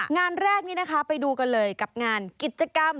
งานแรกนี้นะคะไปดูกันเลยกับงานกิจกรรม